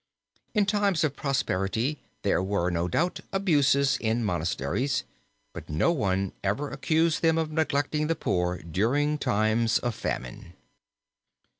In times of prosperity there were, no doubt, abuses in monasteries, but no one ever accused them of neglecting the poor during times of famine.